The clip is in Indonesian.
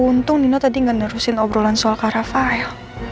untung dino tadi gak nerusin obrolan soal kak rafael